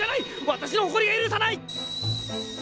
わたしの誇りが許さない！